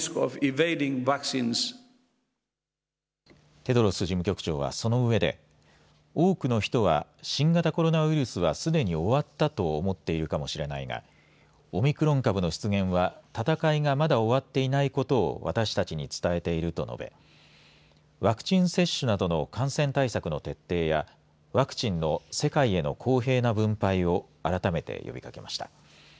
テドロス事務局長はそのうえで多くの人は新型コロナウイルスはすでに終わったと思っているかもしれないがオミクロン株の出現は闘いがまだ終わっていないことを私たちに伝えていると述べワクチン接種などの感染対策の徹底やワクチンの世界への公平な分配を改めて呼びかけました。